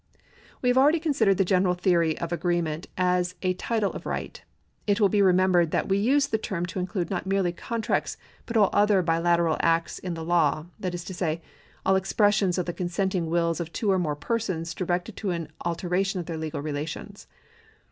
We have already considered the general theory of agree ment as a title of right. It will be remembered that we used the term to include not merely contracts but all other bilateral acts in the law, that is to say, all expressions of the consenting wills of two or more persons directed to an alteration of their legal relations.